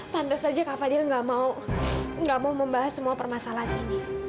pantas saja kak fadil nggak mau membahas semua permasalahan ini